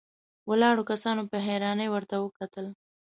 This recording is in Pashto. ولاړو کسانو په حيرانۍ ورته وکتل.